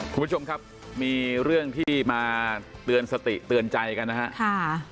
คุณผู้ชมครับมีเรื่องที่มาเตือนสติเตือนใจกันนะครับ